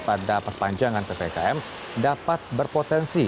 pada perpanjangan ppkm dapat berpotensi